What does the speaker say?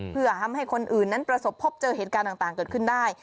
เพื่อทำให้คนอื่นนั้นประสบพบเจอเหตุการณ์ต่างเกิดขึ้นได้